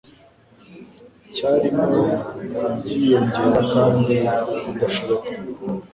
ryarimo ryiyongera kandi bidashoboka